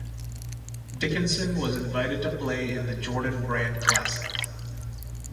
Dickinson was invited to play in the Jordan Brand Classic.